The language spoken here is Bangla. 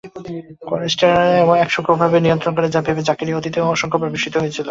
কোয়ালিস্টরা এক সূক্ষ্মভাবে তাঁদের নিয়ন্ত্রণ করে তা ভেবে জাকারিয়া অতীতে অসংখ্যবার বিস্মিত হয়েছেন।